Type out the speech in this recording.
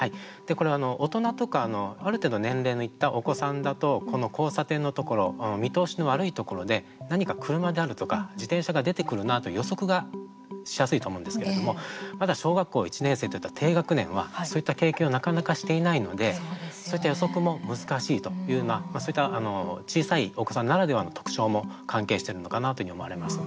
大人とか、ある程度年齢のいったお子さんだとこの交差点のところ見通しの悪いところで何か車であるとか自転車が出てくるなと予測がしやすいと思うんですけれどもまだ小学校１年生といった低学年は、そういった経験をなかなかしていないので予測も難しいという小さいお子さんならではの特徴も関係しているのかなと思われます。